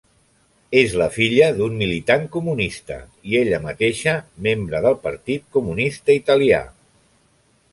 És la filla d'un militant comunista i ella mateixa, membre del partit comunista italià.